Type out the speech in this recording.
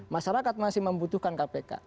masyarakat masih membutuhkan kpk